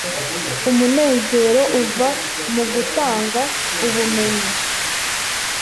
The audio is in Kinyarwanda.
umunezero uva mu gutanga ubumenyi